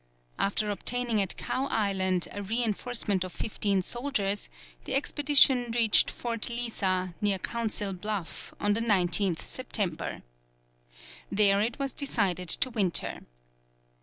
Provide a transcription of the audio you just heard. After obtaining at Cow Island a reinforcement of fifteen soldiers, the expedition reached Fort Lisa, near Council Bluff, on the 19th September. There it was decided to winter.